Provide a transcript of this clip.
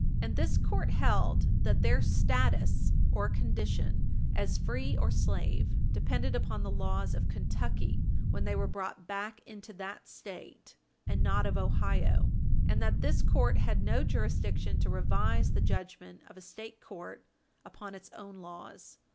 And this court held that their status or condition as free or slave depended upon the laws of Kentucky when they were brought back into that State, and not of Ohio, and that this court had no jurisdiction to revise the judgment of a State court upon its own laws.